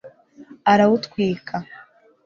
arawutwika